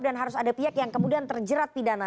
dan harus ada pihak yang kemudian terjerat di dana